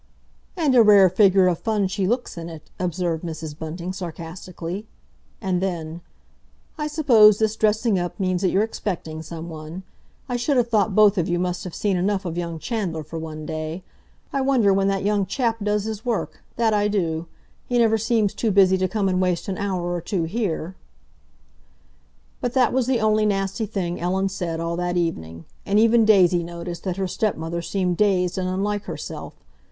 "And a rare figure of fun she looks in it!" observed Mrs. Bunting sarcastically. And then, "I suppose this dressing up means that you're expecting someone. I should have thought both of you must have seen enough of young Chandler for one day. I wonder when that young chap does his work—that I do! He never seems too busy to come and waste an hour or two here." But that was the only nasty thing Ellen said all that evening. And even Daisy noticed that her stepmother seemed dazed and unlike herself.